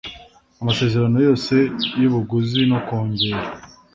amasezerano yose y ubuguzi no kongera